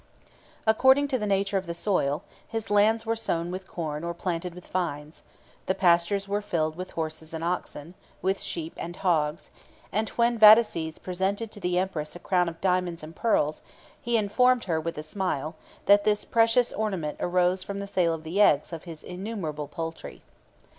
According to the nature of the soil, his lands were sown with corn or planted with vines; the pastures were filled with horses and oxen, with sheep and hogs; and when Vataces presented to the empress a crown of diamonds and pearls, he informed her, with a smile, that this precious ornament arose from the sale of the eggs of his innumerable poultry.